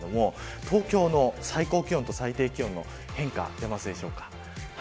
東京の最高気温と最低気温の変化出ますでしょうか。